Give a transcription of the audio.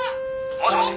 「もしもし？